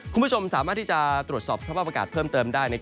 คุณผู้ชมสามารถที่จะตรวจสอบสภาพอากาศเพิ่มเติมได้